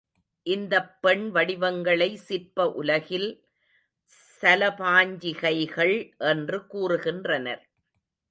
இந்தப் பெண்வடிவங்களை சிற்ப உலகில் சலபாஞ்சிகைகள் என்று கூறுகின்றனர்.